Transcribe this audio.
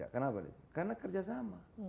kenapa karena kerjasama